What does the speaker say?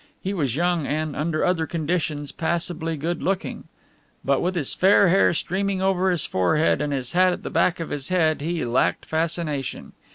He was young and, under other conditions, passably good looking. But with his fair hair streaming over his forehead and his hat at the back of his head he lacked fascination.